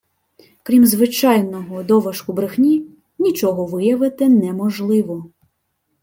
Крім звичайного «доважку брехні», нічого виявити неможливо